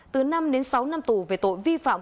từ năm đến sáu năm tù về tội vi phạm